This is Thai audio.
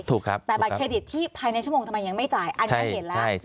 ถูกครับแต่บัตรเครดิตที่ภายในชั่วโมงทำไมยังไม่จ่ายอันนี้เห็นแล้ว